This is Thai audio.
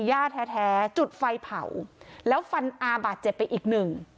ย่าแท้แท้จุดไฟเผาแล้วฟันอาบาดเจ็บไปอีกหนึ่ง